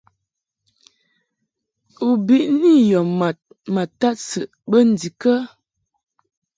U biʼni yɔ mad ma tadsɨʼ bə ndikə ?